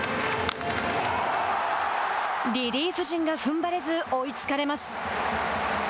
リリーフ陣がふんばれず追いつかれます。